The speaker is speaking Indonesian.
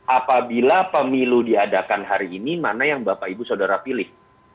apabila pemilu diadakan hari ini mana yang bapak ibu saudara pilih